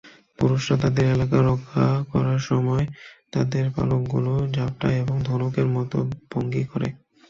পুরুষরা তাদের এলাকা রক্ষা করার সময় তাদের পালকগুলো ঝাপটায় এবং ধনুকের মতো ভঙ্গি করে।